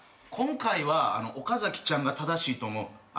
今回は岡崎ちゃんが正しいと思う。